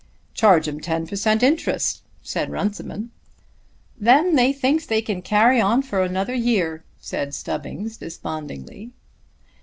"Charge 'em ten per cent. interest," said Runciman. "Then they thinks they can carry on for another year," said Stubbings despondingly.